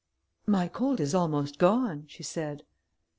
"My cold is almost gone," she said.